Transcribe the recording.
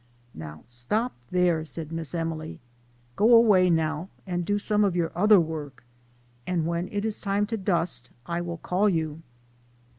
" Now stop there," said Miss Emily ;" go away now, and do some of your other work, and when it is time to dust, I will call you."